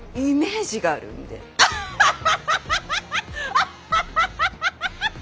アッハハハハッ！